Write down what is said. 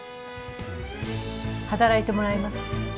働いてもらいます。